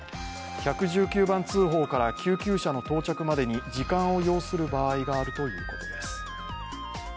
１１９番通報から救急車の到着までに時間を要する場合があるということです。